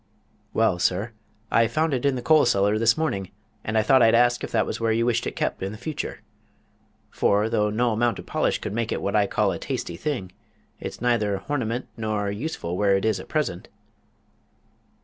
"Why, sir, I found it in the coal cellar this morning, and I thought I'd ask if that was where you wished it kep' in future. For, though no amount o' polish could make it what I call a tasty thing, it's neither horniment nor yet useful where it is at present."